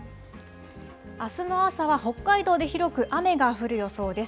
あすの朝は北海道で広く雨が降る予想です。